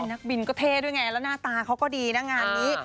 นักบินก็เท่ด้วยไงแล้วหน้าตาเขาก็ดีนะงานนี้